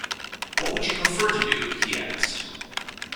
“What would you prefer to do?” he asked.